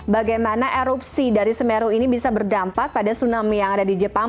bagaimana erupsi dari semeru ini bisa berdampak pada tsunami yang ada di jepang